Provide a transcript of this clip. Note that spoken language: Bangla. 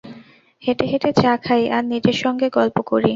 হেঁটে হেঁটে চা খাই, আর নিজের সঙ্গে গল্প করি।